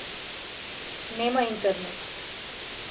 Нема интернет.